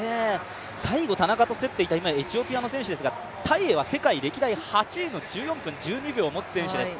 最後、田中と競っていたエチオピアの選手ですがタイエは世界歴代８位の１４分１２秒というタイムを持つ選手です。